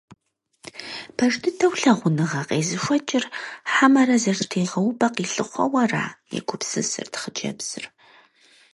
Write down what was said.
Пэж дыдэу лъагъуныгъэ къезыхуэкӀыр, хьэмэрэ зэштегъэупӀэ къилъыхъуэу ара? – егупсысырт хъыджэбзыр.